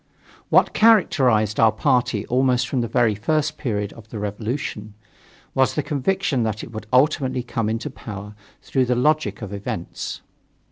What characterized our party almost from the very first period of the revolution, was the conviction that it would ultimately come into power through the logic of events.